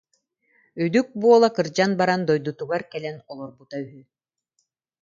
Үдүк буола кырдьан баран дойдутугар кэлэн олорбута үһү